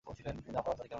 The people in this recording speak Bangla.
তিনি জাফর আল সাদিকের মা।